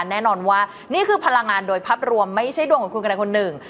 แน่นอนว่านี่คือพลังงานโดยภาพรวมไม่ใช่ดวงของคุณกันใดคนหนึ่ง